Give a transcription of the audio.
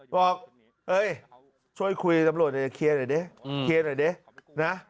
บอกเอ้ยช่วยคุยตำรวจหน่อยเคลียร์หน่อยดิเคลียร์หน่อยดินะ